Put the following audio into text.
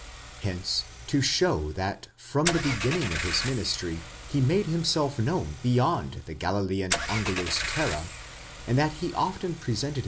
Hence, to show that from the beginning of his ministry he made himself known beyond the Galilean angu/us terre, and that he often presented.